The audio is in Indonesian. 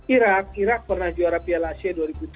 irak irak pernah juara piala asia dua ribu tujuh belas